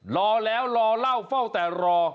รอแล้วรอเล่าเฝ้าแต่รอ